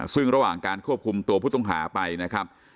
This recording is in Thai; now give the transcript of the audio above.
ซึ่งระหว่างการควบคุมตัวผู้ต้องหาไปนะครับ